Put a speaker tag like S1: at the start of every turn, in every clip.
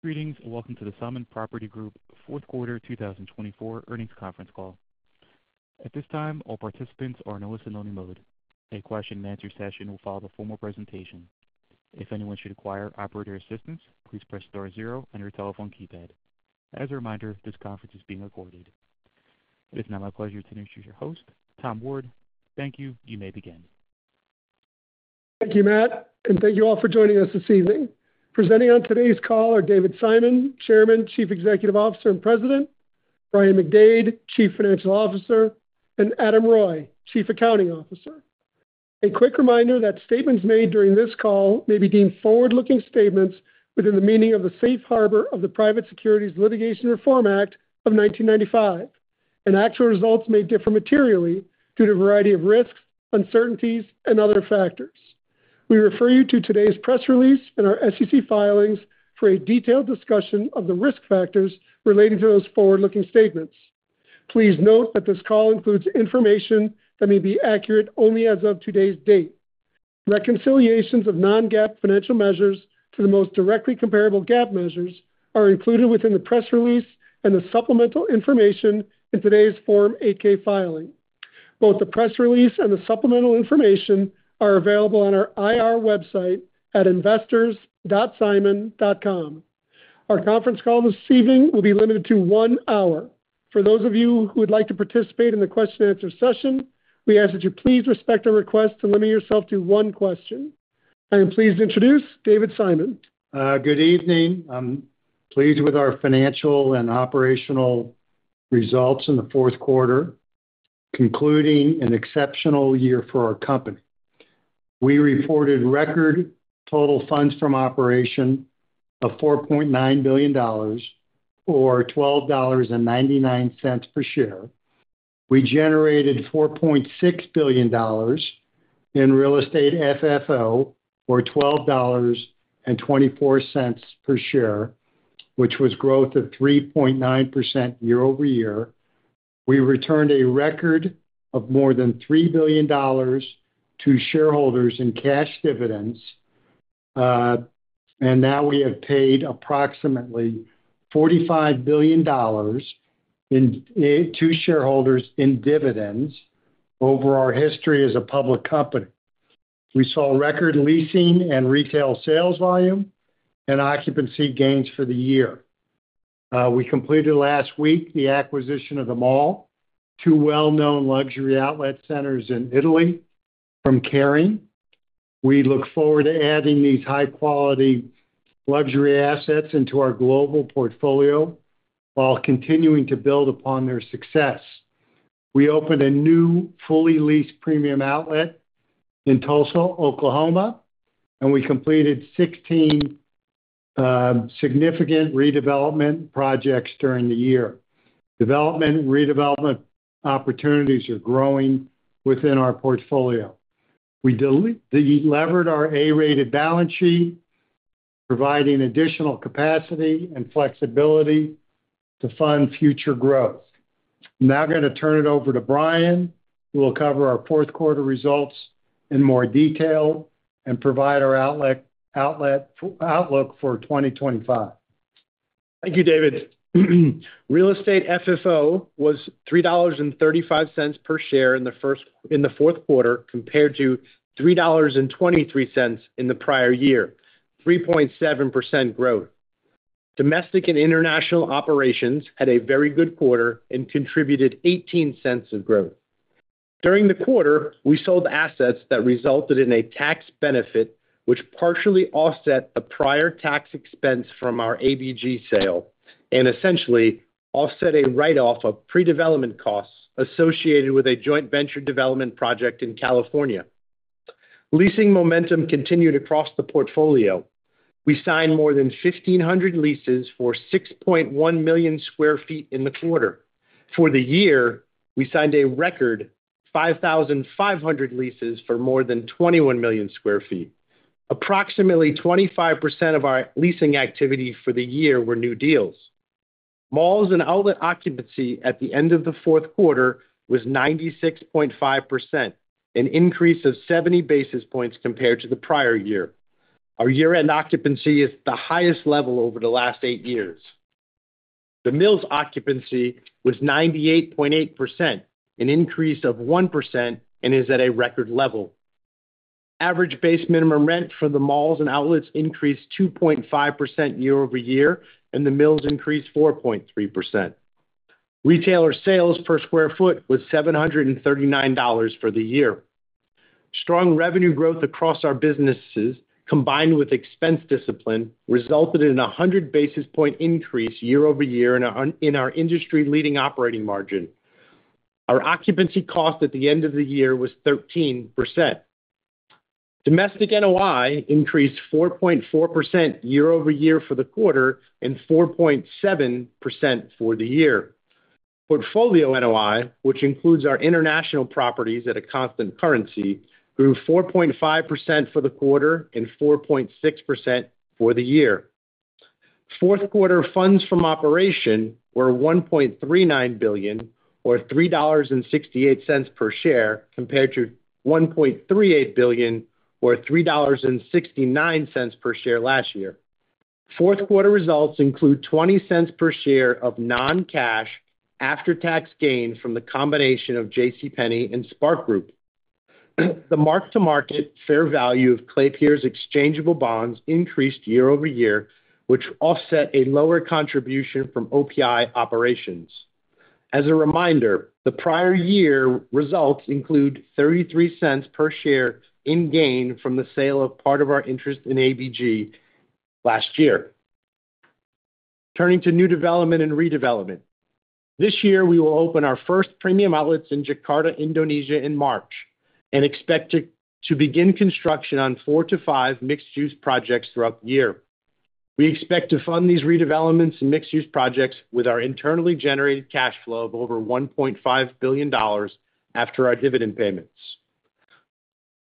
S1: Greetings and welcome to the Simon Property Group Fourth Quarter 2024 earnings conference call. At this time, all participants are in a listen-only mode. A question-and-answer session will follow the formal presentation. If anyone should require operator assistance, please press star zero on your telephone keypad. As a reminder, this conference is being recorded. It is now my pleasure to introduce your host, Tom Ward. Thank you. You may begin.
S2: Thank you, Matt. And thank you all for joining us this evening. Presenting on today's call are David Simon, Chairman, Chief Executive Officer and President, Brian McDade, Chief Financial Officer, and Adam Reuille, Chief Accounting Officer. A quick reminder that statements made during this call may be deemed forward-looking statements within the meaning of the safe harbor of the Private Securities Litigation Reform Act of 1995, and actual results may differ materially due to a variety of risks, uncertainties, and other factors. We refer you to today's press release and our SEC filings for a detailed discussion of the risk factors relating to those forward-looking statements. Please note that this call includes information that may be accurate only as of today's date. Reconciliations of Non-GAAP financial measures to the most directly comparable GAAP measures are included within the press release and the supplemental information in today's Form 8-K filing. Both the press release and the supplemental information are available on our IR website at investors.simon.com. Our conference call this evening will be limited to one hour. For those of you who would like to participate in the question-and-answer session, we ask that you please respect our request to limit yourself to one question. I am pleased to introduce David Simon.
S3: Good evening. I'm pleased with our financial and operational results in the fourth quarter, concluding an exceptional year for our company. We reported record total funds from operations of $4.9 billion, or $12.99 per share. We generated $4.6 billion in real estate FFO, or $12.24 per share, which was growth of 3.9% year-over-year. We returned a record of more than $3 billion to shareholders in cash dividends, and now we have paid approximately $45 billion to shareholders in dividends over our history as a public company. We saw record leasing and retail sales volume and occupancy gains for the year. We completed last week the acquisition of the two well-known luxury outlet centers in Italy from Kering. We look forward to adding these high-quality luxury assets into our global portfolio while continuing to build upon their success. We opened a new fully leased premium outlet in Tulsa, Oklahoma, and we completed 16 significant redevelopment projects during the year. Development and redevelopment opportunities are growing within our portfolio. We levered our A-rated balance sheet, providing additional capacity and flexibility to fund future growth. I'm now going to turn it over to Brian, who will cover our fourth quarter results in more detail and provide our outlook for 2025.
S4: Thank you, David. Real estate FFO was $3.35 per share in the fourth quarter compared to $3.23 in the prior year, 3.7% growth. Domestic and international operations had a very good quarter and contributed $0.18 of growth. During the quarter, we sold assets that resulted in a tax benefit, which partially offset a prior tax expense from our ABG sale and essentially offset a write-off of pre-development costs associated with a joint venture development project in California. Leasing momentum continued across the portfolio. We signed more than 1,500 leases for 6.1 million sq ft in the quarter. For the year, we signed a record 5,500 leases for more than 21 million sq ft. Approximately 25% of our leasing activity for the year were new deals. Malls and outlet occupancy at the end of the fourth quarter was 96.5%, an increase of 70 basis points compared to the prior year. Our year-end occupancy is the highest level over the last eight years. The mills occupancy was 98.8%, an increase of 1%, and is at a record level. Average base minimum rent for the malls and outlets increased 2.5% year over year, and the mills increased 4.3%. Retailer sales per square foot was $739 for the year. Strong revenue growth across our businesses, combined with expense discipline, resulted in a 100 basis point increase year over year in our industry-leading operating margin. Our occupancy cost at the end of the year was 13%. Domestic NOI increased 4.4% year-over-year for the quarter and 4.7% for the year. Portfolio NOI, which includes our international properties at a constant currency, grew 4.5% for the quarter and 4.6% for the year. Fourth quarter funds from operations were $1.39 billion, or $3.68 per share, compared to $1.38 billion, or $3.69 per share last year. Fourth quarter results include $0.20 per share of non-cash after-tax gain from the combination of JCPenney and SPARC Group. The mark-to-market fair value of Klépierre's exchangeable bonds increased year-over-year, which offset a lower contribution from OPI operations. As a reminder, the prior year results include $0.33 per share in gain from the sale of part of our interest in ABG last year. Turning to new development and redevelopment. This year, we will open our first premium outlets in Jakarta, Indonesia, in March and expect to begin construction on four to five mixed-use projects throughout the year. We expect to fund these redevelopments and mixed-use projects with our internally generated cash flow of over $1.5 billion after our dividend payments.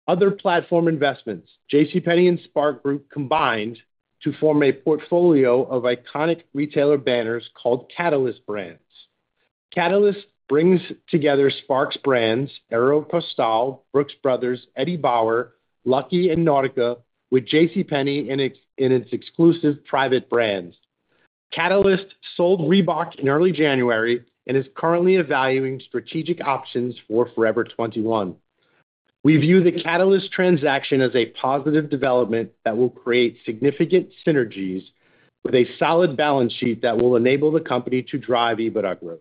S4: Other platform investments. JCPenney and SPARC Group combined to form a portfolio of iconic retailer banners called Catalyst Brands. Catalyst brings together SPARC's brands: Aéropostale, Brooks Brothers, Eddie Bauer, Lucky, and Nautica, with JCPenney in its exclusive private brands. Catalyst sold Reebok in early January and is currently evaluating strategic options for Forever 21. We view the Catalyst transaction as a positive development that will create significant synergies with a solid balance sheet that will enable the company to drive EBITDA growth.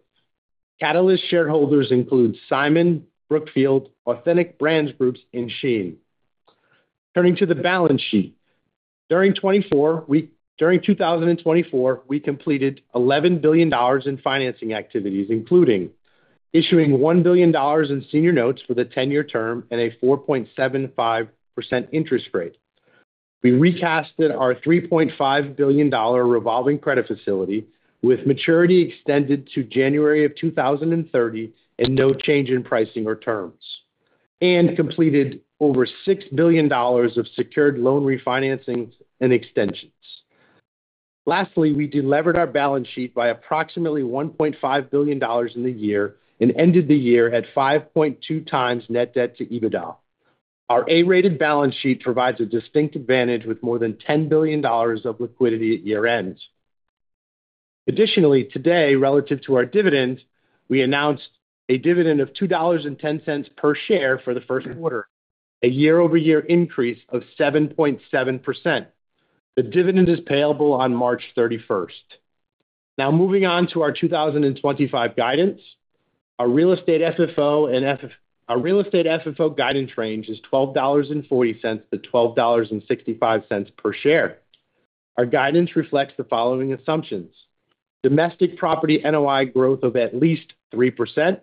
S4: Catalyst shareholders include Simon, Brookfield, Authentic Brands Group, and Shein. Turning to the balance sheet. During 2024, we completed $11 billion in financing activities, including issuing $1 billion in senior notes for the 10-year term and a 4.75% interest rate. We recast our $3.5 billion revolving credit facility with maturity extended to January of 2030 and no change in pricing or terms, and completed over $6 billion of secured loan refinancings and extensions. Lastly, we delivered our balance sheet by approximately $1.5 billion in the year and ended the year at 5.2 times net debt to EBITDA. Our A-rated balance sheet provides a distinct advantage with more than $10 billion of liquidity at year-end. Additionally, today, relative to our dividend, we announced a dividend of $2.10 per share for the first quarter, a year-over-year increase of 7.7%. The dividend is payable on March 31st. Now, moving on to our 2025 guidance. Our real estate FFO guidance range is $12.40-$12.65 per share. Our guidance reflects the following assumptions: domestic property NOI growth of at least 3%,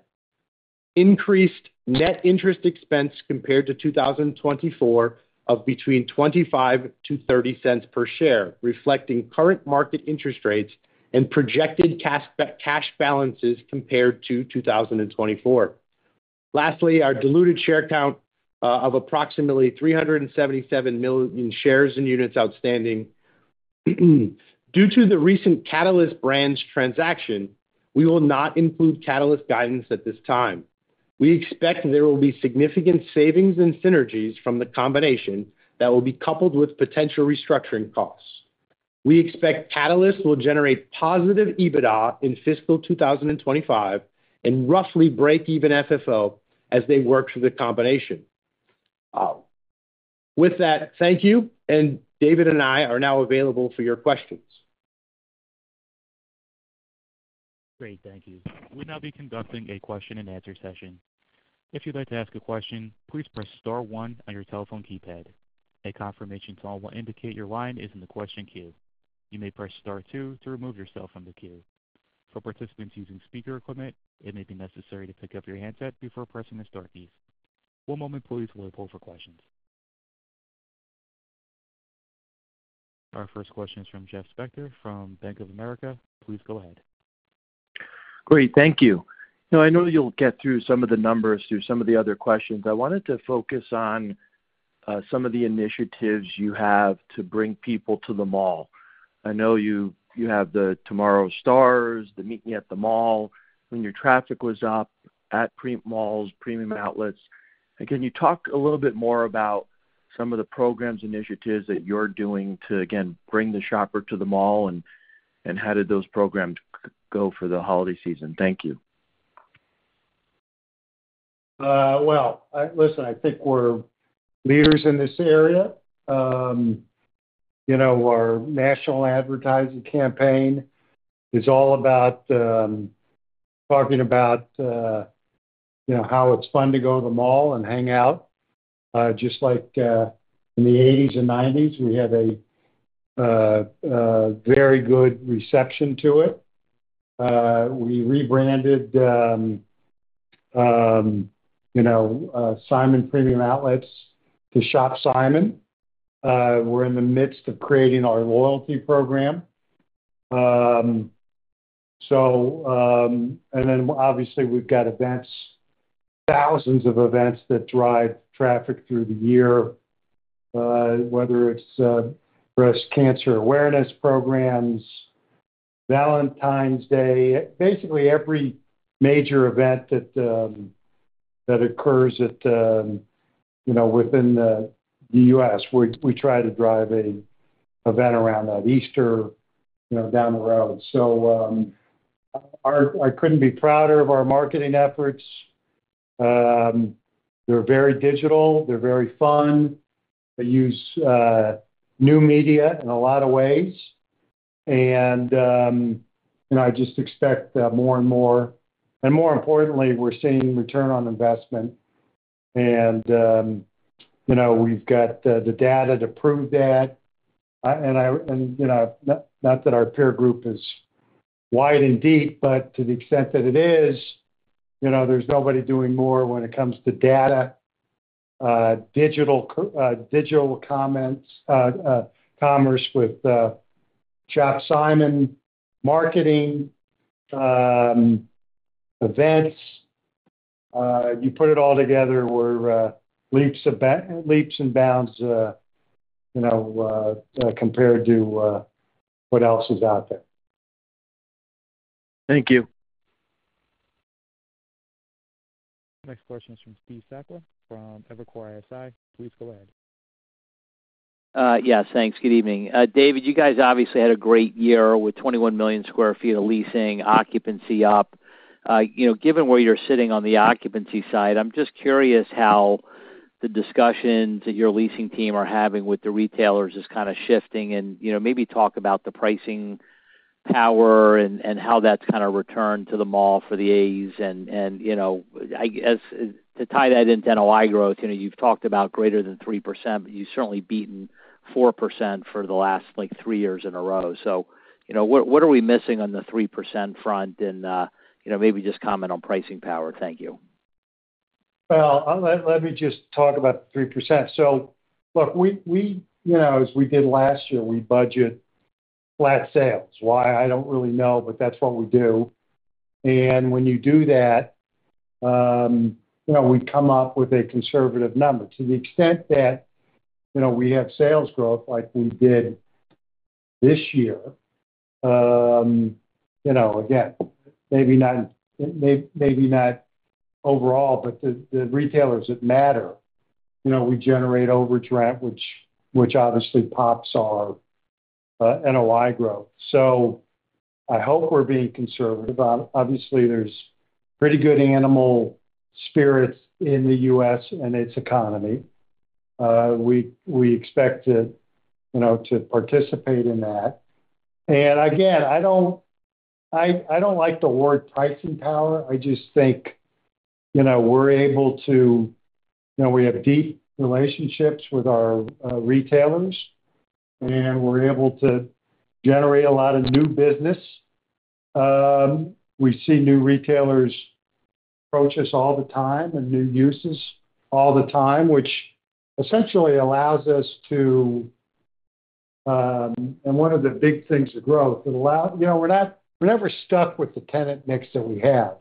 S4: increased net interest expense compared to 2024 of between $0.25-$0.30 per share, reflecting current market interest rates and projected cash balances compared to 2024. Lastly, our diluted share count of approximately 377 million shares and units outstanding. Due to the recent Catalyst Brands transaction, we will not include Catalyst guidance at this time. We expect there will be significant savings and synergies from the combination that will be coupled with potential restructuring costs. We expect Catalyst will generate positive EBITDA in fiscal 2025 and roughly break-even FFO as they work through the combination. With that, thank you, and David and I are now available for your questions.
S1: Great. Thank you. We'll now be conducting a question-and-answer session. If you'd like to ask a question, please press star one on your telephone keypad. A confirmation tone will indicate your line is in the question queue. You may press star two to remove yourself from the queue. For participants using speaker equipment, it may be necessary to pick up your handset before pressing the star keys. One moment, please, while we poll for questions. Our first question is from Jeff Spector from Bank of America. Please go ahead.
S5: Great. Thank you. I know you'll get through some of the numbers through some of the other questions. I wanted to focus on some of the initiatives you have to bring people to the mall. I know you have the Tomorrow Stars, the Meet Me at the Mall when your traffic was up at malls, premium outlets. And can you talk a little bit more about some of the programs and initiatives that you're doing to, again, bring the shopper to the mall, and how did those programs go for the holiday season? Thank you.
S3: Listen, I think we're leaders in this area. Our national advertising campaign is all about talking about how it's fun to go to the mall and hang out, just like in the '80s and '90s. We had a very good reception to it. We rebranded Simon Premium Outlets to Shop Simon. We're in the midst of creating our loyalty program. Then, obviously, we've got events, thousands of events that drive traffic through the year, whether it's breast cancer awareness programs, Valentine's Day, basically every major event that occurs within the U.S., we try to drive an event around that, Easter, down the road. I couldn't be prouder of our marketing efforts. They're very digital. They're very fun. They use new media in a lot of ways. I just expect more and more. More importantly, we're seeing return on investment. We've got the data to prove that. Not that our peer group is wide and deep, but to the extent that it is, there's nobody doing more when it comes to data, digital commerce with Shop Simon, marketing, events. You put it all together, we're leaps and bounds compared to what else is out there.
S1: Thank you. Next question is from Steve Sakwa from Evercore ISI. Please go ahead.
S6: Yes, thanks. Good evening. David, you guys obviously had a great year with 21 million sq ft of leasing, occupancy up. Given where you're sitting on the occupancy side, I'm just curious how the discussions that your leasing team are having with the retailers is kind of shifting and maybe talk about the pricing power and how that's kind of returned to the mall for the A's. And to tie that into NOI growth, you've talked about greater than 3%, but you've certainly beaten 4% for the last three years in a row. So what are we missing on the 3% front? And maybe just comment on pricing power. Thank you.
S3: Let me just talk about the 3%. So look, as we did last year, we budget flat sales. Why? I don't really know, but that's what we do. And when you do that, we come up with a conservative number. To the extent that we have sales growth like we did this year, again, maybe not overall, but the retailers that matter, we generate over-rent, which obviously pops our NOI growth. So I hope we're being conservative. Obviously, there's pretty good animal spirits in the U.S. and its economy. We expect to participate in that. And again, I don't like the word pricing power. I just think we're able to we have deep relationships with our retailers, and we're able to generate a lot of new business. We see new retailers approach us all the time and new uses all the time, which essentially allows us to, and one of the big things of growth, we're never stuck with the tenant mix that we have.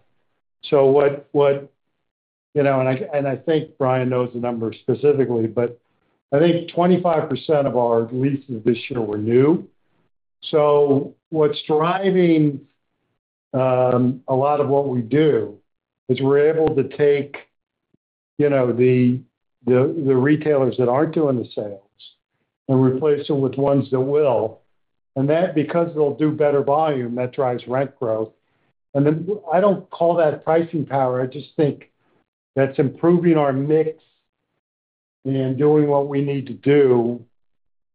S3: So what, and I think Brian knows the number specifically, but I think 25% of our leases this year were new. So what's driving a lot of what we do is we're able to take the retailers that aren't doing the sales and replace them with ones that will. And that, because they'll do better volume, that drives rent growth. And I don't call that pricing power. I just think that's improving our mix and doing what we need to do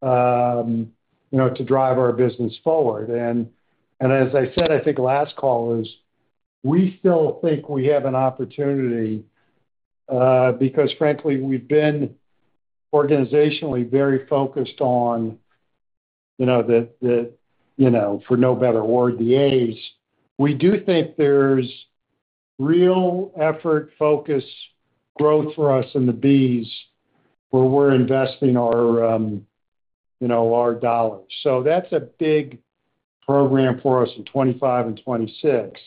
S3: to drive our business forward. And as I said, I think last call is we still think we have an opportunity because, frankly, we've been organizationally very focused on the, for no better word, the A's. We do think there's real effort, focus, growth for us in the B's where we're investing our dollars. So that's a big program for us in 2025 and 2026.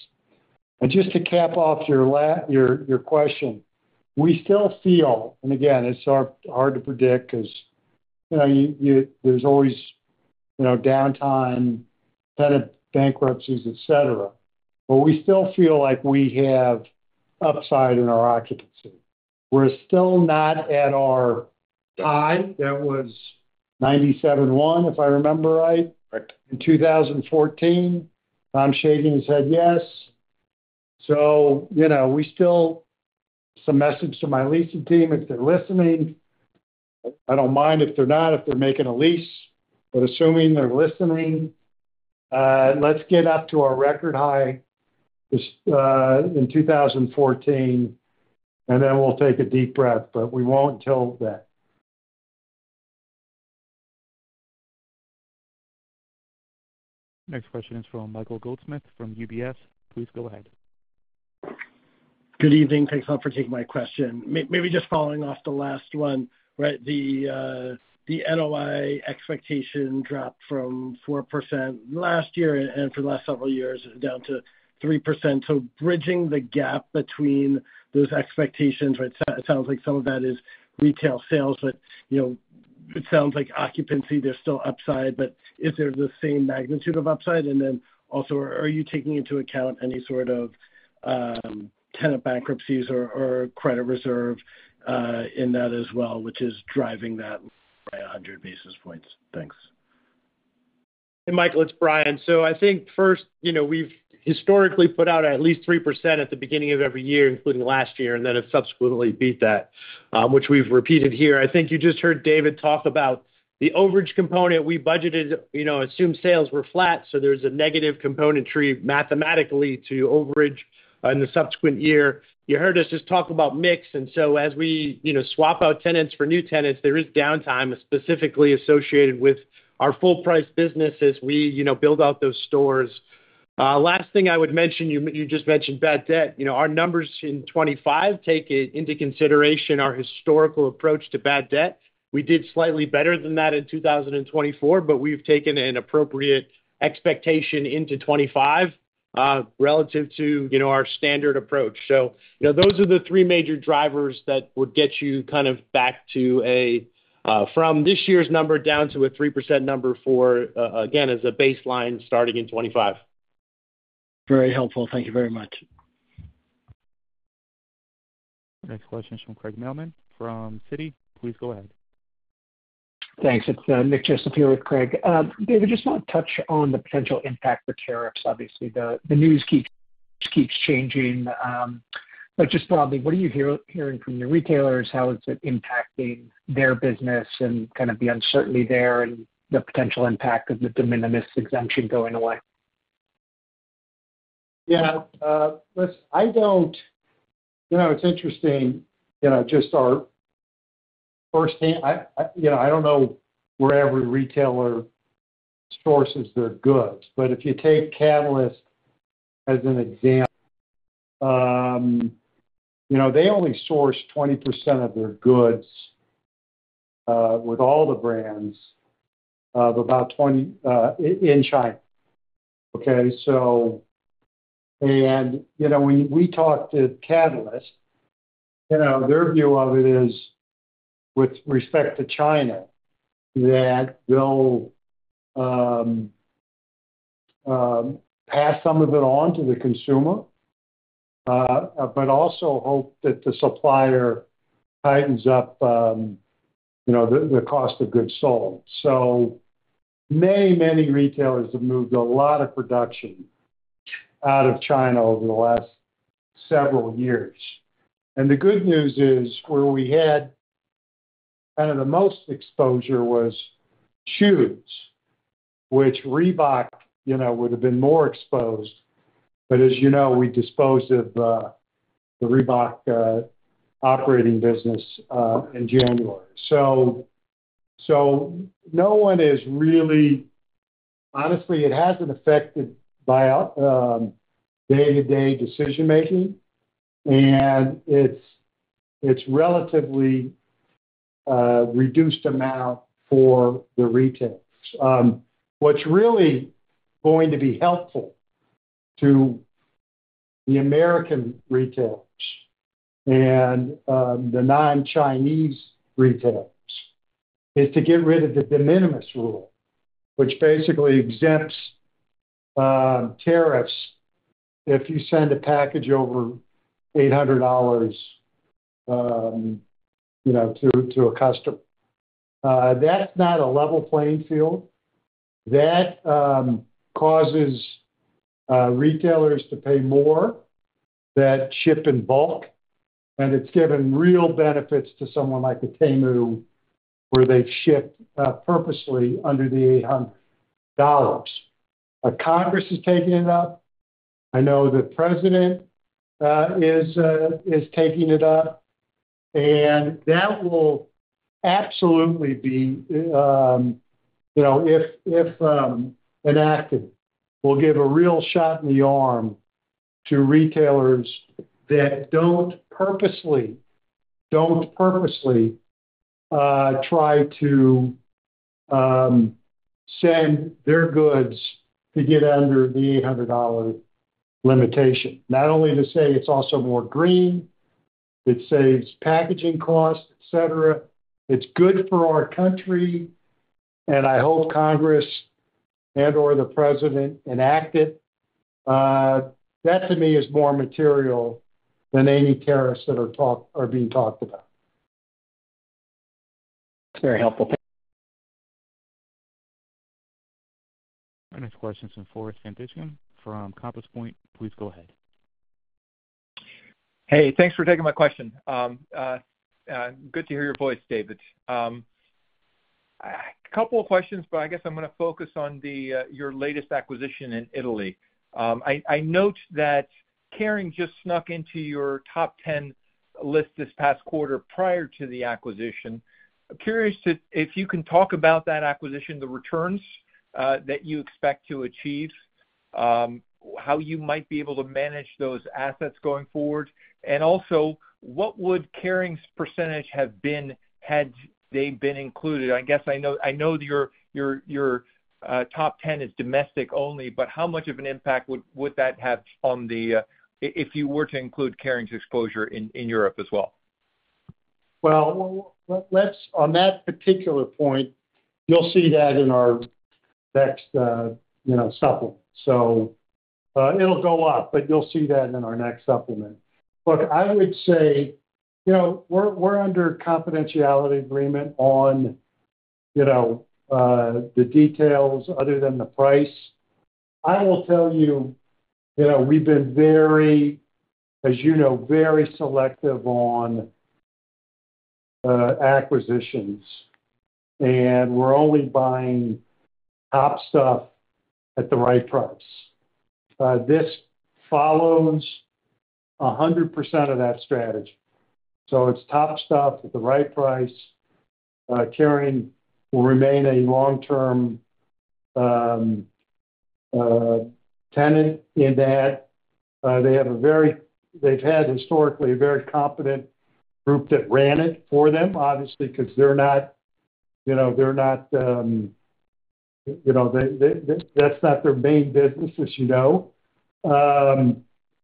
S3: And just to cap off your question, we still feel, and again, it's hard to predict because there's always downtime, tenant bankruptcies, etc., but we still feel like we have upside in our occupancy. We're still not at our high. That was 1997-2001, if I remember right, in 2014. Tom Shagin has said yes. So we still, some message to my leasing team, if they're listening. I don't mind if they're not, if they're making a lease, but assuming they're listening, let's get up to our record high in 2014, and then we'll take a deep breath, but we won't until then.
S1: Next question is from Michael Goldsmith from UBS. Please go ahead.
S7: Good evening. Thanks a lot for taking my question. Maybe just following off the last one, right? The NOI expectation dropped from 4% last year and for the last several years down to 3%. So bridging the gap between those expectations, right? It sounds like some of that is retail sales, but it sounds like occupancy, there's still upside, but is there the same magnitude of upside? And then also, are you taking into account any sort of tenant bankruptcies or credit reserve in that as well, which is driving that by 100 basis points? Thanks.
S4: Hey, Michael, it's Brian. So I think first, we've historically put out at least 3% at the beginning of every year, including last year, and then have subsequently beat that, which we've repeated here. I think you just heard David talk about the overage component. We budgeted, assumed sales were flat, so there's a negative component to the overage mathematically in the subsequent year. You heard us just talk about mix. And so as we swap out tenants for new tenants, there is downtime specifically associated with our full-price business as we build out those stores. Last thing I would mention, you just mentioned bad debt. Our numbers in 2025 take into consideration our historical approach to bad debt. We did slightly better than that in 2024, but we've taken an appropriate expectation into 2025 relative to our standard approach. So those are the three major drivers that would get you kind of back from this year's number down to a 3% number for, again, as a baseline starting in 2025.
S7: Very helpful. Thank you very much.
S1: Next question is from Craig Mailman from Citi. Please go ahead.
S8: Thanks. It's Nick Joseph here with Craig. David, just want to touch on the potential impact for tariffs. Obviously, the news keeps changing. But just broadly, what are you hearing from your retailers? How is it impacting their business and kind of the uncertainty there and the potential impact of the de minimis exemption going away?
S3: Yeah. I don't know. It's interesting. Just our firsthand, I don't know where every retailer sources their goods. But if you take Catalyst as an example, they only source 20% of their goods with all the brands of about 20% in China. Okay? And when we talk to Catalyst, their view of it is with respect to China that they'll pass some of it on to the consumer, but also hope that the supplier tightens up the cost of goods sold. So many, many retailers have moved a lot of production out of China over the last several years. And the good news is where we had kind of the most exposure was shoes, which Reebok would have been more exposed. But as you know, we disposed of the Reebok operating business in January. So, no one is really, honestly, it hasn't affected day-to-day decision-making, and it's a relatively reduced amount for the retailers. What's really going to be helpful to the American retailers and the non-Chinese retailers is to get rid of the de minimis rule, which basically exempts tariffs if you send a package over $800 to a customer. That's not a level playing field. That causes retailers to pay more that ship in bulk. And it's given real benefits to someone like Temu, where they've shipped purposely under the $800. Congress is taking it up. I know the president is taking it up. And that will absolutely be, if enacted, will give a real shot in the arm to retailers that don't purposely try to send their goods to get under the $800 limitation. Not only to say it's also more green, it saves packaging costs, etc. It's good for our country. And I hope Congress and/or the president enact it. That, to me, is more material than any tariffs that are being talked about.
S8: That's very helpful. Thank you.
S1: Next question is from Floris van Dijkum from Compass Point. Please go ahead.
S9: Hey, thanks for taking my question. Good to hear your voice, David. A couple of questions, but I guess I'm going to focus on your latest acquisition in Italy. I note that Kering just snuck into your top 10 list this past quarter prior to the acquisition. I'm curious if you can talk about that acquisition, the returns that you expect to achieve, how you might be able to manage those assets going forward. And also, what would Kering's percentage have been had they been included? I guess I know your top 10 is domestic only, but how much of an impact would that have on the top 10 if you were to include Kering's exposure in Europe as well?
S3: On that particular point, you'll see that in our next supplement. It'll go up, but you'll see that in our next supplement. Look, I would say we're under a confidentiality agreement on the details other than the price. I will tell you we've been very, as you know, very selective on acquisitions, and we're only buying top stuff at the right price. This follows 100% of that strategy. It's top stuff at the right price. Kering will remain a long-term tenant in that they've had historically a very competent group that ran it for them, obviously, because that's not their main business, as you know.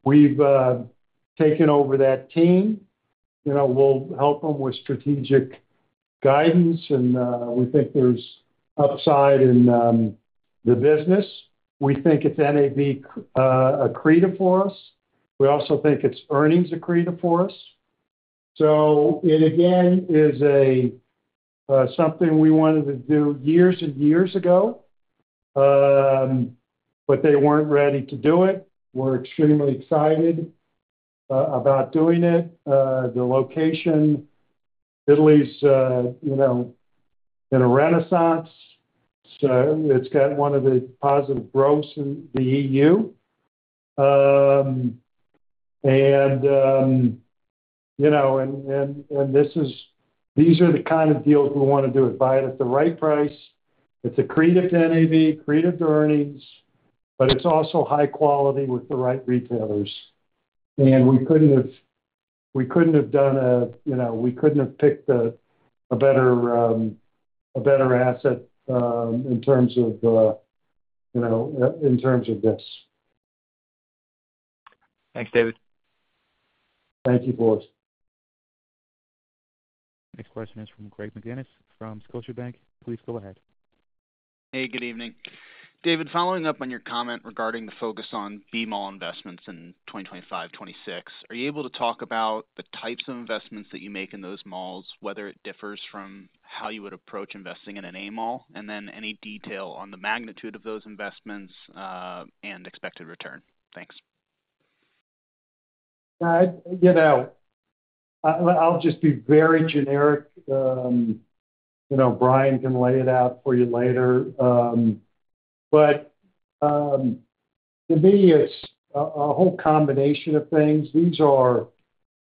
S3: We've taken over that team. We'll help them with strategic guidance, and we think there's upside in the business. We think it's NAV accretive for us. We also think it's earnings accretive for us. So it, again, is something we wanted to do years and years ago, but they weren't ready to do it. We're extremely excited about doing it. The location, Italy's in a renaissance. It's got one of the positive growths in the EU. And these are the kind of deals we want to do. Buy it at the right price. It's accretive to NAV, accretive to earnings, but it's also high quality with the right retailers. And we couldn't have picked a better asset in terms of this.
S8: Thanks, David.
S3: Thank you, buds.
S1: Next question is from Greg McGinniss from Scotiabank. Please go ahead.
S10: Hey, good evening. David, following up on your comment regarding the focus on B mall investments in 2025, 2026, are you able to talk about the types of investments that you make in those malls, whether it differs from how you would approach investing in an A mall, and then any detail on the magnitude of those investments and expected return? Thanks.
S3: I'll just be very generic. Brian can lay it out for you later, but to me, it's a whole combination of things. These are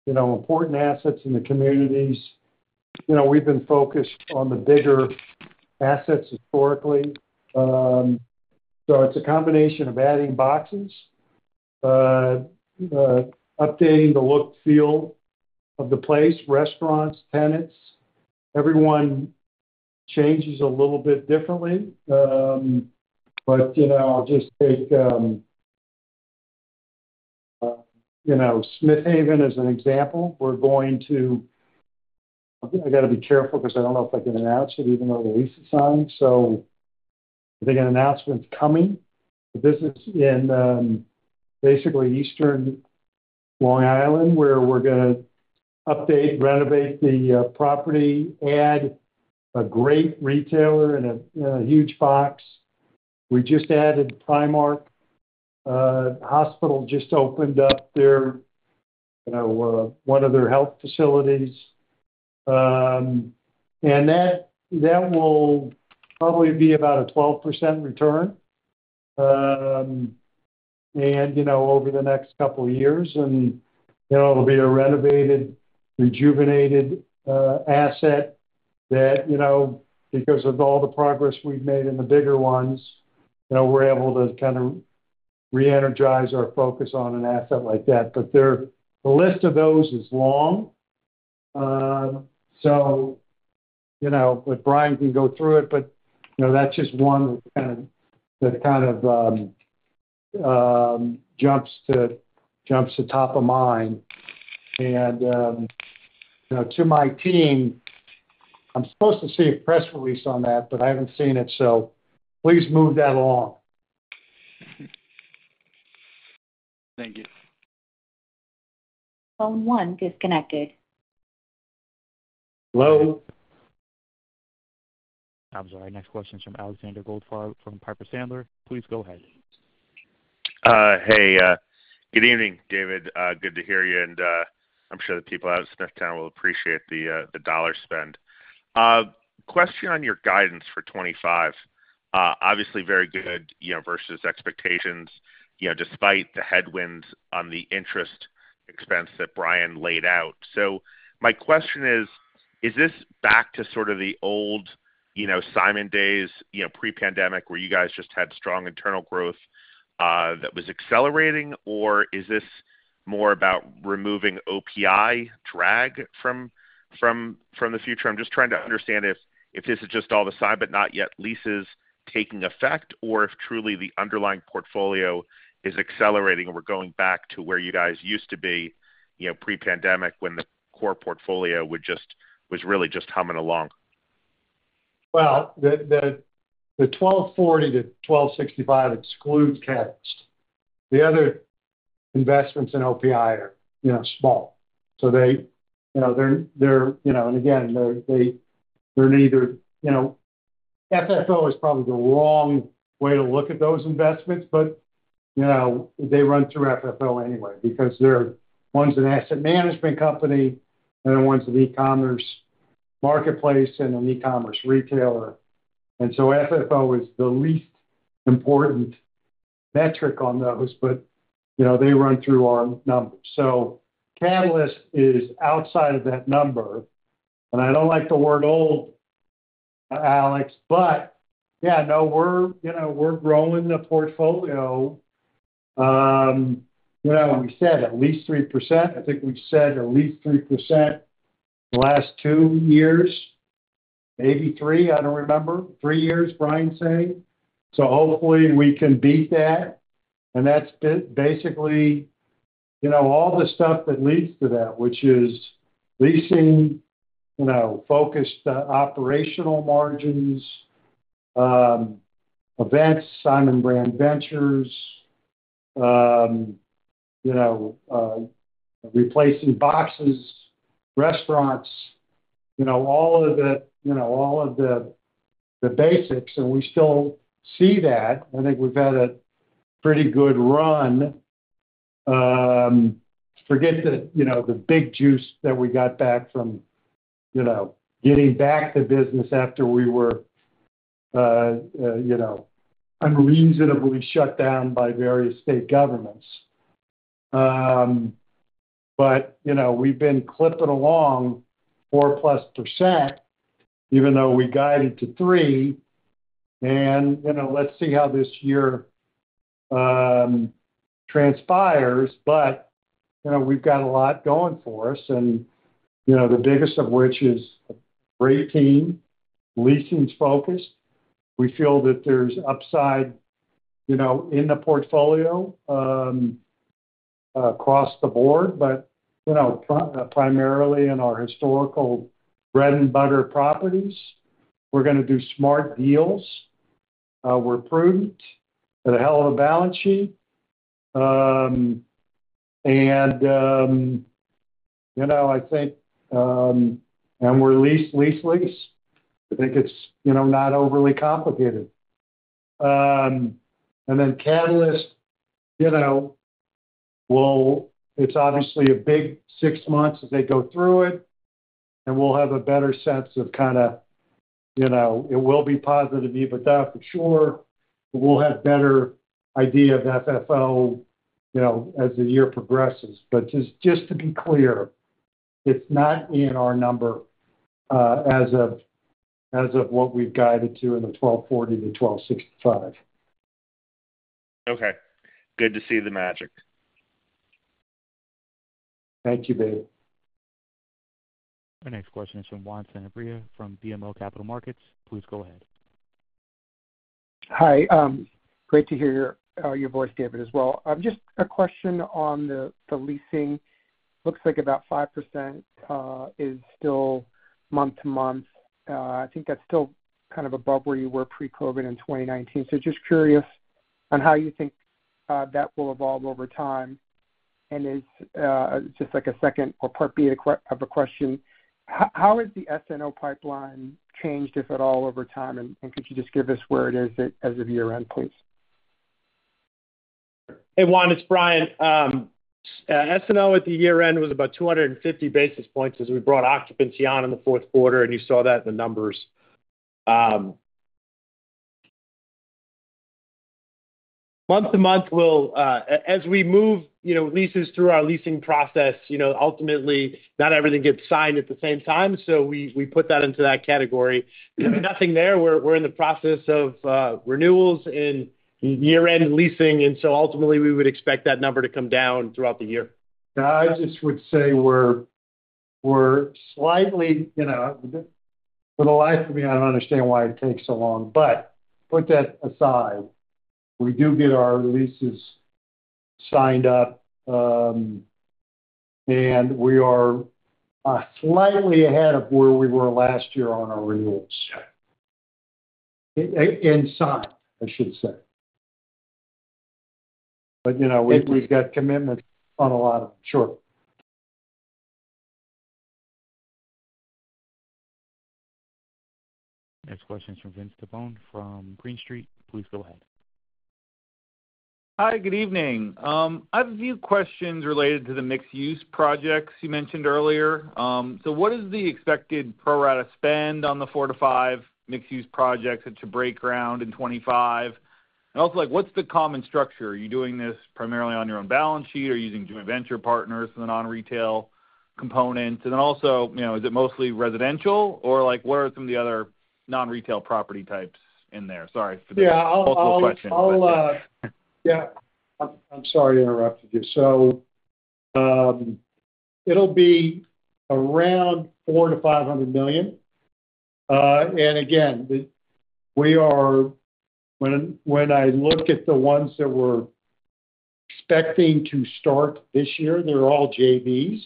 S3: important assets in the communities. We've been focused on the bigger assets historically, so it's a combination of adding boxes, updating the look and feel of the place, restaurants, tenants, everyone changes a little bit differently, but I'll just take Smith Haven as an example. We're going to, I got to be careful because I don't know if I can announce it, even though the lease is signed, so I think an announcement's coming. This is in basically eastern Long Island where we're going to update, renovate the property, add a great retailer in a huge box. We just added Primark. The hospital just opened up one of their health facilities, and that will probably be about a 12% return over the next couple of years. And it'll be a renovated, rejuvenated asset that, because of all the progress we've made in the bigger ones, we're able to kind of re-energize our focus on an asset like that. But the list of those is long. So Brian can go through it, but that's just one that kind of jumps to top of mind. And to my team, I'm supposed to see a press release on that, but I haven't seen it. So please move that along.
S10: Thank you.
S1: Phone one disconnected.
S3: Hello.
S1: I'm sorry. Next question is from Alexander Goldfarb from Piper Sandler. Please go ahead.
S11: Hey. Good evening, David. Good to hear you. And I'm sure the people out at Smithtown will appreciate the dollar spent. Question on your guidance for '25. Obviously, very good versus expectations despite the headwinds on the interest expense that Brian laid out. So my question is, is this back to sort of the old Simon days, pre-pandemic, where you guys just had strong internal growth that was accelerating, or is this more about removing OPI drag from the future? I'm just trying to understand if this is just all the signed, but not yet leases taking effect, or if truly the underlying portfolio is accelerating and we're going back to where you guys used to be pre-pandemic when the core portfolio was really just humming along.
S3: The $12.40-$12.65 excludes Catalyst. The other investments in OPI are small. So they're, and again, they're neither. FFO is probably the wrong way to look at those investments, but they run through FFO anyway because they're one's an asset management company and then one's an e-commerce marketplace and an e-commerce retailer. And so FFO is the least important metric on those, but they run through our numbers. So Catalyst is outside of that number. And I don't like the word old, Alex, but yeah, no, we're growing the portfolio. We said at least 3%. I think we said at least 3% the last two years, maybe three. I don't remember. Three years, Brian's saying. So hopefully, we can beat that. And that's basically all the stuff that leads to that, which is leasing, focused operational margins, events, Simon Brand Ventures, replacing boxes, restaurants, all of the basics. We still see that. I think we've had a pretty good run. Forget the big juice that we got back from getting back to business after we were unreasonably shut down by various state governments. We've been clipping along 4-plus%, even though we guided to 3%. Let's see how this year transpires. We've got a lot going for us, and the biggest of which is a great team, leasing's focused. We feel that there's upside in the portfolio across the board, but primarily in our historical bread and butter properties. We're going to do smart deals. We're prudent. We've got a hell of a balance sheet. I think, and we're lease, lease, lease. I think it's not overly complicated. And then Catalyst, it's obviously a big six months as they go through it, and we'll have a better sense of kind of it will be positive, even though for sure, we'll have a better idea of FFO as the year progresses. But just to be clear, it's not in our number as of what we've guided to in the 1,240-1,265.
S11: Okay. Good to see the magic.
S3: Thank you, babe.
S1: Our next question is from Juan Sanabria from BMO Capital Markets. Please go ahead.
S12: Hi. Great to hear your voice, David, as well. Just a question on the leasing. Looks like about 5% is still month to month. I think that's still kind of above where you were pre-COVID in 2019. So just curious on how you think that will evolve over time. And it's just like a second or part B of a question. How has the SNO pipeline changed, if at all, over time? And could you just give us where it is as of year-end, please?
S4: Hey, Juan. It's Brian. SNO at the year-end was about 250 basis points as we brought occupancy on in the fourth quarter, and you saw that in the numbers. Month to month, as we move leases through our leasing process, ultimately, not everything gets signed at the same time. So we put that into that category. Nothing there. We're in the process of renewals in year-end leasing, and so ultimately, we would expect that number to come down throughout the year.
S3: I just would say.
S4: For the life of me, I don't understand why it takes so long, but put that aside.
S3: We do get our leases signed up, and we are slightly ahead of where we were last year on our renewals and signings, I should say,
S4: But we've got commitments on a lot of them.
S3: Sure.
S1: Next question is from Vince Tibone from Green Street. Please go ahead.
S13: Hi. Good evening. I have a few questions related to the mixed-use projects you mentioned earlier. So what is the expected pro-rata spend on the four to five mixed-use projects that you break ground in 2025? And also, what's the common structure? Are you doing this primarily on your own balance sheet or using joint venture partners and the non-retail components? And then also, is it mostly residential, or what are some of the other non-retail property types in there? Sorry for the multiple questions.
S3: Yeah. I'm sorry to interrupt you. So it'll be around $400 million-$500 million. And again, when I look at the ones that we're expecting to start this year, they're all JBs,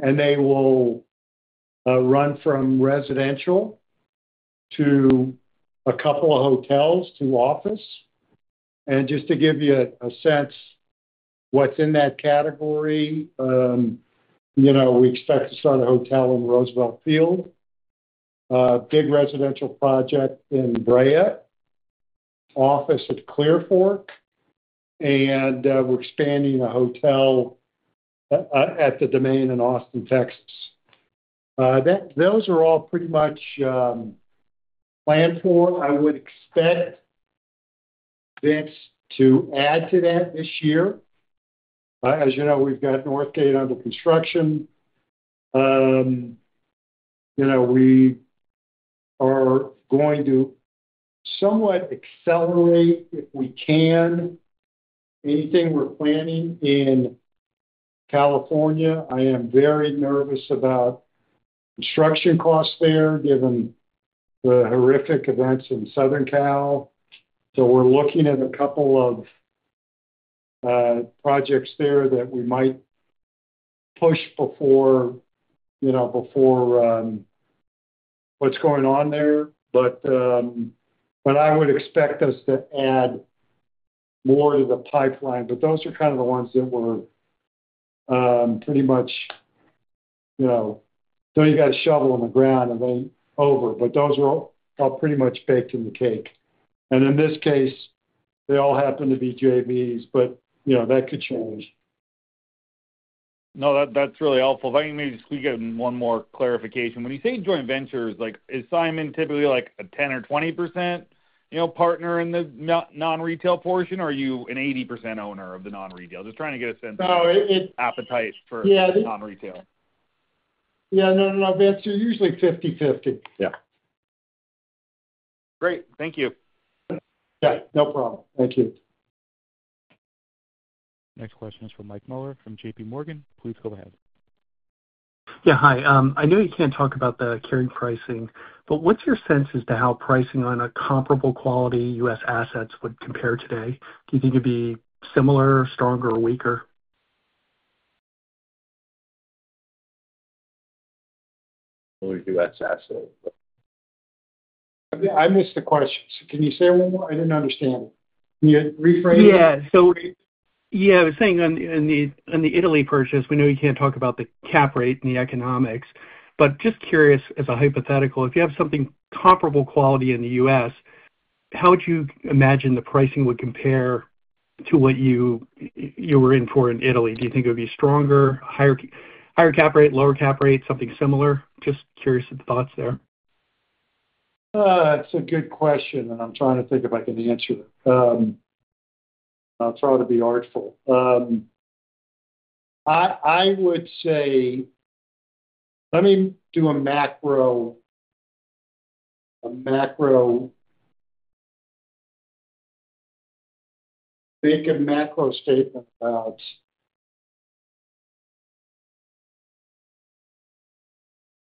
S3: and they will run from residential to a couple of hotels to office. And just to give you a sense of what's in that category, we expect to start a hotel in Roosevelt Field, a big residential project in Brea, office at Clearfork, and we're expanding a hotel at The Domain in Austin, Texas. Those are all pretty much planned for. I would expect Vince to add to that this year. As you know, we've got Northgate under construction. We are going to somewhat accelerate if we can. Anything we're planning in California, I am very nervous about construction costs there given the horrific events in Southern Cal. So we're looking at a couple of projects there that we might push before what's going on there. But I would expect us to add more to the pipeline. But those are kind of the ones that were pretty much don't even got a shovel on the ground and they over. But those are all pretty much baked in the cake. And in this case, they all happen to be JBs, but that could change.
S13: No, that's really helpful. If I can maybe squeak in one more clarification. When you say joint ventures, is Simon typically like a 10% or 20% partner in the non-retail portion, or are you an 80% owner of the non-retail? Just trying to get a sense of appetite for non-retail.
S3: Yeah. No, no, no. Vince is usually 50/50.
S13: Yeah. Great. Thank you.
S3: Yeah. No problem. Thank you.
S1: Next question is from Mike Mueller from JPMorgan. Please go ahead.
S14: Yeah. Hi. I know you can't talk about the cap pricing, but what's your sense as to how pricing on a comparable quality U.S. assets would compare today? Do you think it'd be similar, stronger, or weaker?
S4: Probably U.S. asset. I missed the question. So can you say it one more? I didn't understand. Can you rephrase it?
S14: Yeah. So yeah, I was saying on the Italy purchase, we know you can't talk about the cap rate and the economics, but just curious as a hypothetical, if you have something comparable quality in the U.S., how would you imagine the pricing would compare to what you were in for in Italy? Do you think it would be stronger, higher cap rate, lower cap rate, something similar? Just curious of the thoughts there.
S3: It's a good question, and I'm trying to think if I can answer it. I'll try to be artful. I would say let me do a macro statement about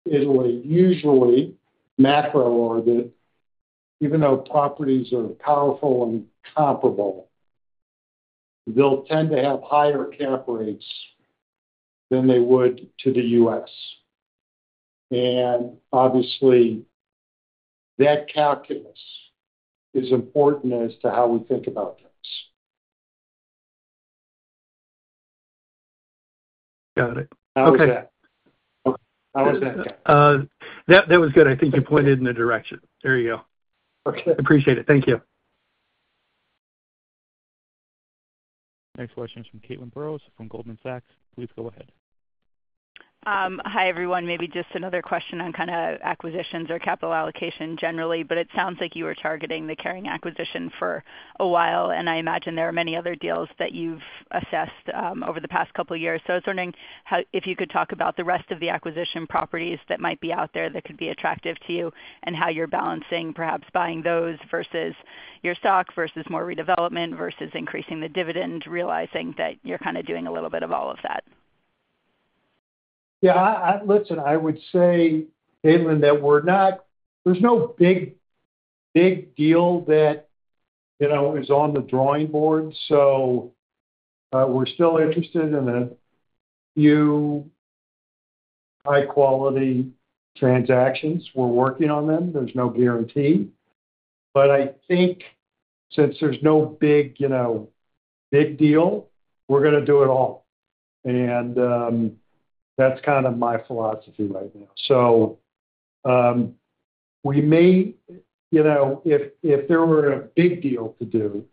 S3: Italy. Usually, macro or that, even though properties are powerful and comparable, they'll tend to have higher cap rates than they would to the U.S. And obviously, that calculus is important as to how we think about things.
S14: Got it.
S3: How was that? Okay. How was that?
S14: That was good. I think you pointed in the direction. There you go. I appreciate it. Thank you.
S1: Next question is from Caitlin Burrows from Goldman Sachs. Please go ahead.
S15: Hi, everyone. Maybe just another question on kind of acquisitions or capital allocation generally, but it sounds like you were targeting the Catalyst acquisition for a while, and I imagine there are many other deals that you've assessed over the past couple of years. So I was wondering if you could talk about the rest of the acquisition properties that might be out there that could be attractive to you and how you're balancing perhaps buying those versus your stock versus more redevelopment versus increasing the dividend, realizing that you're kind of doing a little bit of all of that.
S3: Yeah. Listen, I would say, Caitlin, that there's no big deal that is on the drawing board. So we're still interested in a few high-quality transactions. We're working on them. There's no guarantee. But I think since there's no big deal, we're going to do it all. And that's kind of my philosophy right now. So we may, if there were a big deal to do,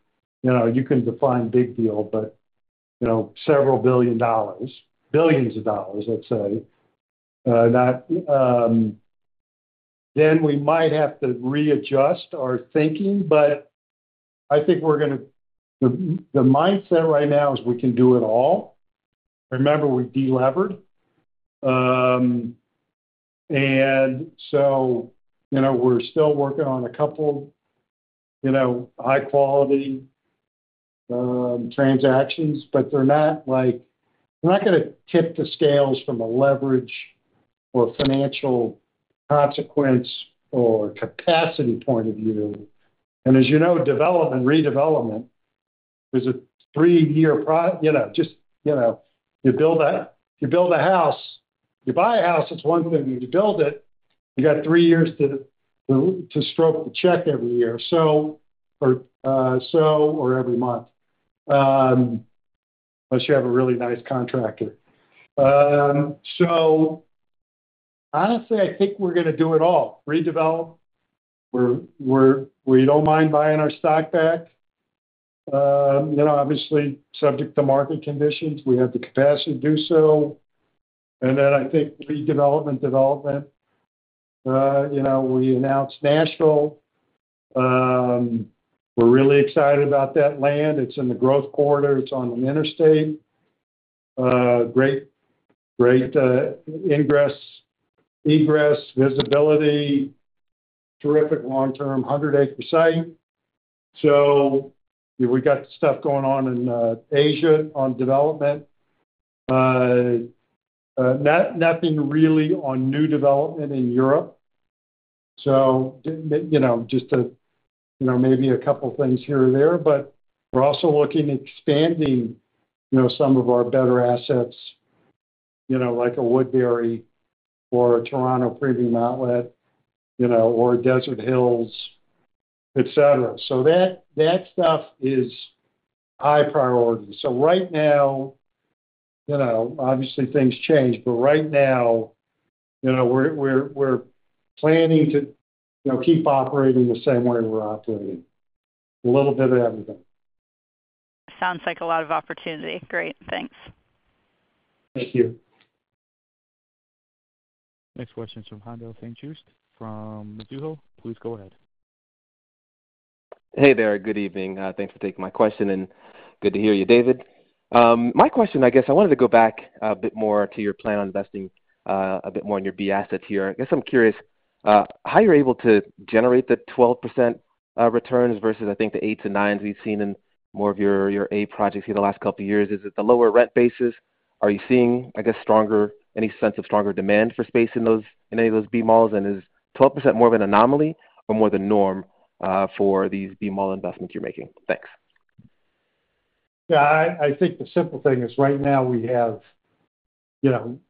S3: you can define big deal, but several billion dollars, billions of dollars, let's say, then we might have to readjust our thinking. But I think we're going to the mindset right now is we can do it all. Remember, we delevered. And so we're still working on a couple high-quality transactions, but they're not going to tip the scales from a leverage or financial consequence or capacity point of view. And as you know, development, redevelopment is a three-year project. Just, you build a house, you buy a house, it's one thing. When you build it, you got three years to write the check every year or every month, unless you have a really nice contractor. So honestly, I think we're going to do it all. Redevelop. We don't mind buying our stock back. Obviously, subject to market conditions, we have the capacity to do so. And then I think redevelopment, development. We announced Nashville. We're really excited about that land. It's in the growth corridor. It's on an interstate. Great, great egress, visibility. Terrific long-term 100-acre site. So we got stuff going on in Asia on development. Nothing really on new development in Europe. So just maybe a couple of things here or there. But we're also looking at expanding some of our better assets like a Woodbury or a Toronto Premium Outlet or Desert Hills, etc. That stuff is high priority. So right now, obviously, things change, but right now, we're planning to keep operating the same way we're operating. A little bit of everything.
S15: Sounds like a lot of opportunity. Great. Thanks.
S3: Thank you.
S1: Next question is from Haendel St. Juste from Mizuho. Please go ahead.
S16: Hey there. Good evening. Thanks for taking my question, and good to hear you, David. My question, I guess, I wanted to go back a bit more to your plan on investing a bit more in your B assets here. I guess I'm curious how you're able to generate the 12% returns versus, I think, the 8% and 9% we've seen in more of your A projects here the last couple of years. Is it the lower rent bases? Are you seeing, I guess, any sense of stronger demand for space in any of those B malls? And is 12% more of an anomaly or more the norm for these B mall investments you're making? Thanks.
S3: Yeah. I think the simple thing is right now we have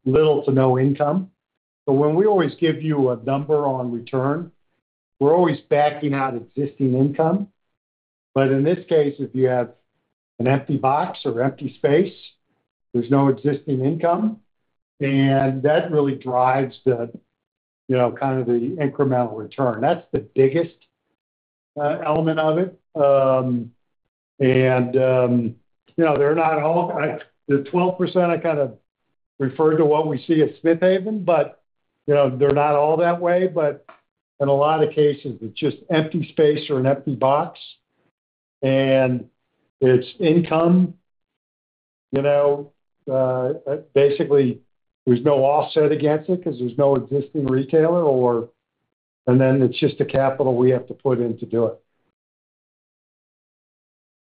S3: little to no income. But when we always give you a number on return, we're always backing out existing income. But in this case, if you have an empty box or empty space, there's no existing income. And that really drives kind of the incremental return. That's the biggest element of it. And they're not all the 12%, I kind of refer to what we see at Smith Haven, but they're not all that way. But in a lot of cases, it's just empty space or an empty box, and it's income. Basically, there's no offset against it because there's no existing retailer, and then it's just the capital we have to put in to do it.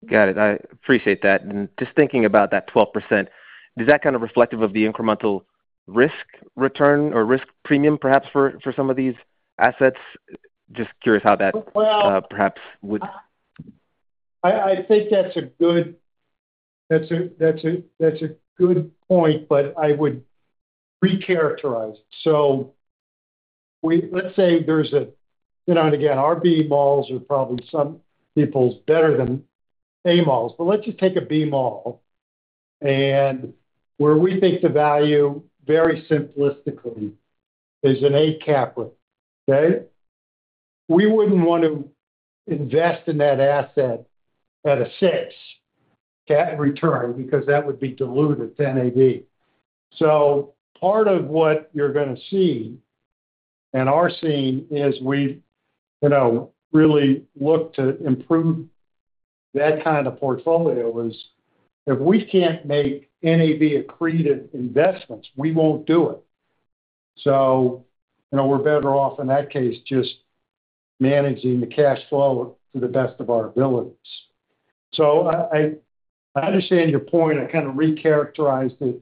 S16: Got it. I appreciate that. And just thinking about that 12%, is that kind of reflective of the incremental risk return or risk premium perhaps for some of these assets? Just curious how that perhaps would.
S3: I think that's a good point, but I would recharacterize. So let's say there's a and again, our B malls are probably some people's better than A malls. But let's just take a B mall, and where we think the value very simplistically is an A cap rate, okay? We wouldn't want to invest in that asset at a 6, okay, return because that would be diluted to NAV. So part of what you're going to see and are seeing is we really look to improve that kind of portfolio is if we can't make NAV accretive investments, we won't do it. So we're better off in that case just managing the cash flow to the best of our abilities. So I understand your point. I kind of recharacterized it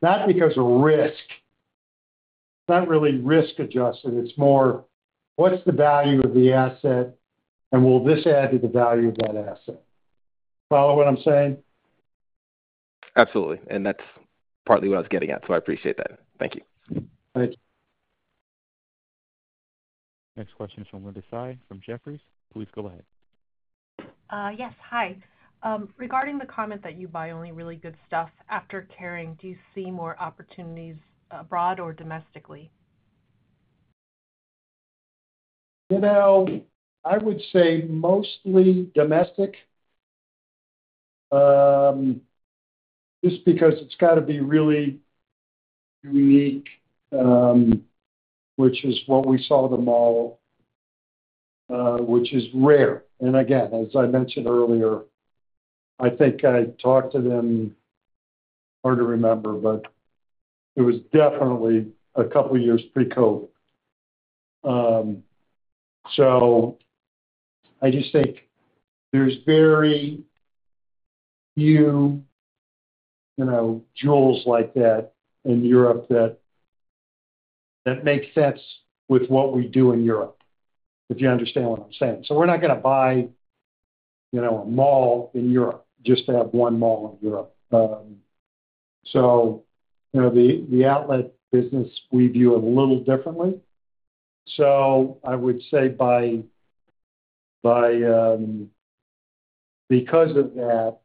S3: not because of risk. It's not really risk adjusted. It's more what's the value of the asset, and will this add to the value of that asset? Follow what I'm saying?
S16: Absolutely. And that's partly what I was getting at. So I appreciate that. Thank you.
S3: Thank you.
S1: Next question is from Linda Tsai from Jefferies. Please go ahead.
S17: Yes. Hi. Regarding the comment that you buy only really good stuff, after carrying, do you see more opportunities abroad or domestically?
S3: I would say mostly domestic just because it's got to be really unique, which is what we saw the mall, which is rare. And again, as I mentioned earlier, I think I talked to them hard to remember, but it was definitely a couple of years pre-COVID. So I just think there's very few jewels like that in Europe that make sense with what we do in Europe, if you understand what I'm saying. So we're not going to buy a mall in Europe just to have one mall in Europe. So the outlet business, we view a little differently. So I would say because of that,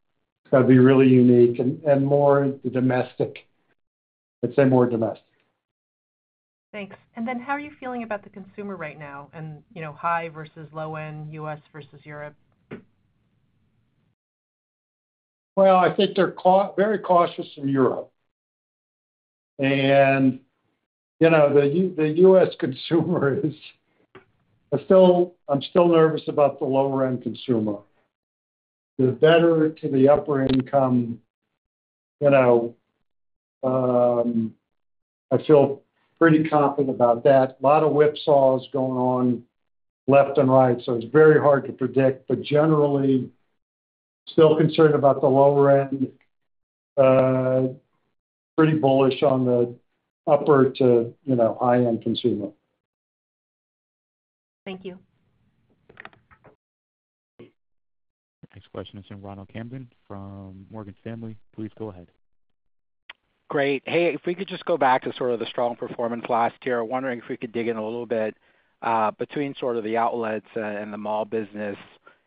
S3: that'd be really unique and more domestic. I'd say more domestic.
S17: Thanks. And then, how are you feeling about the consumer right now? And high versus low-end, U.S. versus Europe?
S3: I think they're very cautious in Europe. The U.S. consumer, I'm still nervous about the lower-end consumer. They're better to the upper income. I feel pretty confident about that. A lot of whipsaw is going on left and right, so it's very hard to predict. Generally, still concerned about the lower-end, pretty bullish on the upper to high-end consumer.
S17: Thank you.
S1: Next question is from Ronald Kamdem from Morgan Stanley. Please go ahead.
S18: Great. Hey, if we could just go back to sort of the strong performance last year, wondering if we could dig in a little bit between sort of the outlets and the mall business,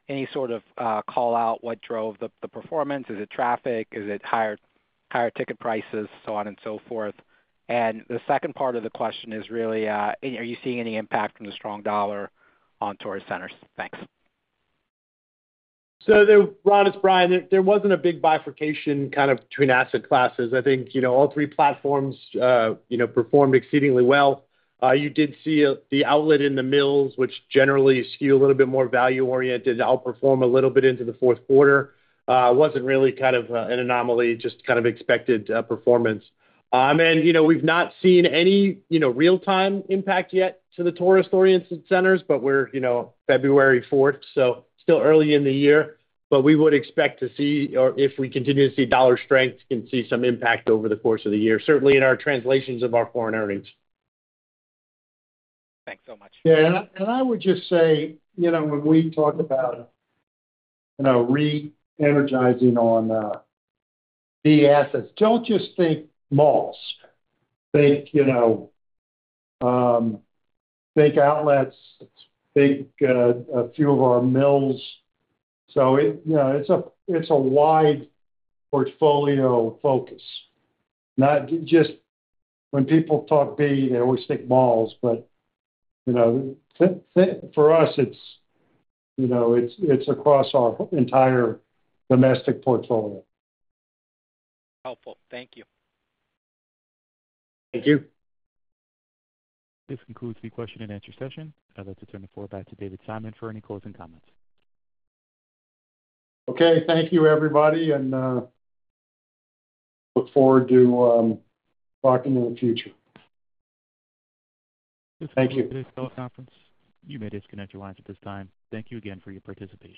S18: any sort of call out what drove the performance? Is it traffic? Is it higher ticket prices, so on and so forth? And the second part of the question is really, are you seeing any impact from the strong dollar on tourist centers? Thanks.
S4: So, Ron, it's Brian. There wasn't a big bifurcation kind of between asset classes. I think all three platforms performed exceedingly well. You did see the outlets and the mills, which generally skew a little bit more value-oriented, outperform a little bit in the fourth quarter. It wasn't really kind of an anomaly, just kind of expected performance. And we've not seen any real-time impact yet to the tourist-oriented centers, but we're February 4th, so still early in the year. But we would expect to see, or if we continue to see dollar strength, can see some impact over the course of the year, certainly in our translations of our foreign earnings.
S18: Thanks so much.
S3: Yeah. And I would just say when we talk about re-energizing on the assets, don't just think malls. Think outlets, think a few of our mills. So it's a wide portfolio focus. Not just when people talk B, they always think malls, but for us, it's across our entire domestic portfolio.
S18: Helpful. Thank you.
S3: Thank you.
S1: This concludes the question and answer session. I'd like to turn the floor back to David Simon for any closing comments.
S3: Okay. Thank you, everybody, and look forward to talking in the future. Thank you.
S1: This conference. You may disconnect your lines at this time. Thank you again for your participation.